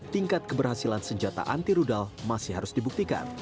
tingkat keberhasilan senjata anti rudal masih harus dibuktikan